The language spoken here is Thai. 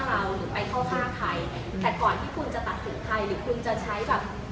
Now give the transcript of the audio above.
เราหรือไปเข้าข้างใครแต่ก่อนที่คุณจะตัดสินใครหรือคุณจะใช้แบบ